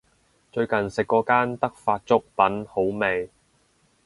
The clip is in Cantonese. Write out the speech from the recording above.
最近食過間德發粥品好味